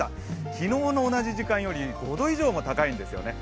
昨日の同じ時間より５度以上も高いんですよね。